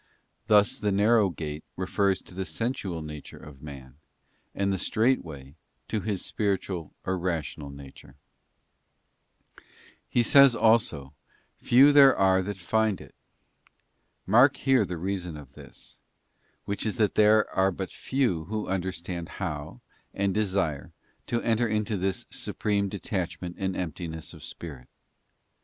Thus the narrow gate refers to the sensual nature of man, and the strait way to his spiritual or rational nature. * S. Matth. vii. 14. nor THE ROYAL ROAD OF THE HOLY CROSS. 15 He says also, ' Few there are that find it.' Mark here the reason of this, which is that there are but few who under stand how, and desire, to enter into this supreme detachment and emptiness of spirit.